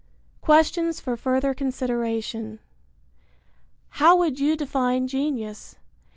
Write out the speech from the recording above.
Questions for Further Consideration. How would you define genius?